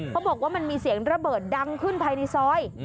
เขาบอกว่ามันมีเสียงระเบิดดังขึ้นภายในซอย